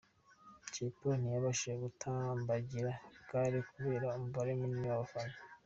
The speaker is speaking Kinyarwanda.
Jay Polly ntiyabashije gutambagira gare kubera umubare munini w'abafana.